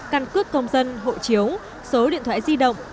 căn cước công dân hộ chiếu số điện thoại di động